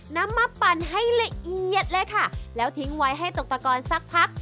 นำมาปั่นให้ละเอียดเลยค่ะแล้วทิ้งไว้ให้ตกตะกอนสักพัก